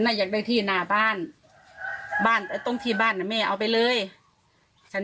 อยากได้ที่หน้าบ้านบ้านตรงที่บ้านน่ะแม่เอาไปเลยฉัน